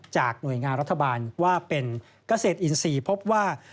หน่วยงานรัฐบาลว่าเป็นเกษตรอินทรีย์พบว่า